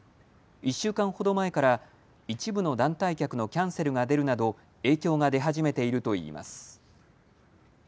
１週間ほど前から一部の団体客のキャンセルが出るなど影響が出始めているといいます。